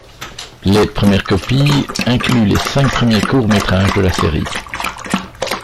Les premières copies incluent les cinq premiers courts métrages de la série.